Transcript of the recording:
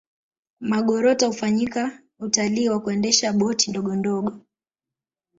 magorota hufanyika Utalii wa kuendesha boti ndogondogo